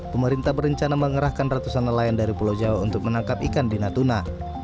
pemerintah berencana mengerahkan ratusan nelayan dari pulau jawa untuk menangkap ikan di natuna